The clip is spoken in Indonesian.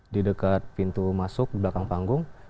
di dekat pintu masuk belakang panggung